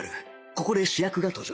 ここで主役が登場